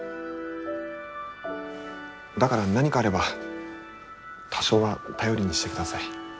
だから何かあれば多少は頼りにしてください。